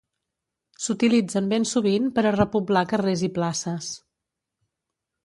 S'utilitzen ben sovint per a repoblar carrers i places.